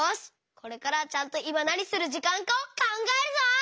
これからはちゃんといまなにするじかんかをかんがえるぞ！